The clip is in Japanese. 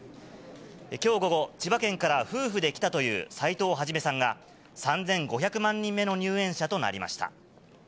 きょう午後、千葉県から夫婦で来たという斉藤肇さんが、３５００万人目の入園者となりました。